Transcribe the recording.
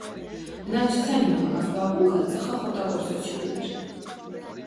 Բնակչության հիմնական զբաղմունքը ծխախոտագործությունն էր։